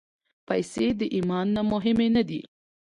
پېسې د ایمان نه مهمې نه دي.